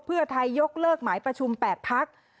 เพื่อไทยยกเลิกหมายประชุม๘พัก